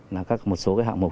là một số hạng mục